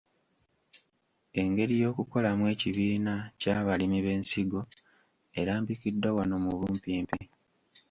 Engeri y’okukolamu ekibiina ky’abalimi b’ensigo erambikiddwa wano mu bumpimpi.